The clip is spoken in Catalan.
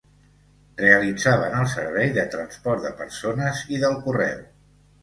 Realitzaven el servei de transport de persones i del correu.